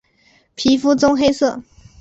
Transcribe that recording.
皮肤棕黑色。